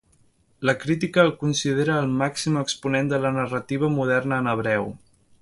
La crítica el considera el màxim exponent de la narrativa moderna en hebreu.